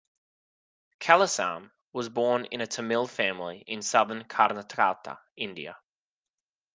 Kailasam was born in a Tamil family in southern Karnataka, India.